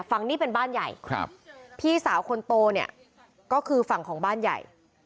ฝั่งนี้เป็นบ้านใหญ่ครับพี่สาวคนโตเนี่ยก็คือฝั่งของบ้านใหญ่